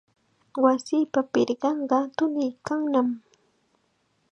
Wasipa pirqanqa tuniykannam.